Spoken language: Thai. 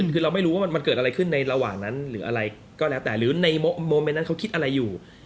คือเราไม่รู้ว่ามันเกิดอะไรขึ้นในระหว่างนั้นหรืออะไรก็แล้วแต่หรือในโมเมนต์นั้นเขาคิดอะไรอยู่